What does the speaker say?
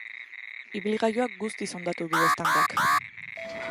Ibilgailua guztiz hondatu du eztandak.